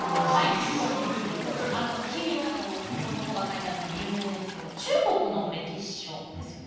あの卑弥呼のことが書いてあるので有名ですけど中国の歴史書ですよね。